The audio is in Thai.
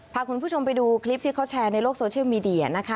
พาคุณผู้ชมไปดูคลิปที่เขาแชร์ในโลกโซเชียลมีเดียนะคะ